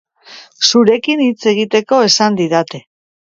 Zurekin hitz egiteko esan didate.